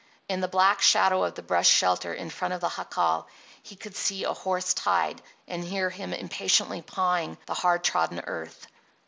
In the black shadow of the brush shelter in front of the jacal he could see a horse tied and hear him impatiently pawing the hard trodden earth.